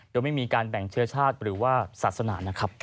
โดยไม่มีการแบ่งเชื้อชาติหรือว่าศาสนานะครับ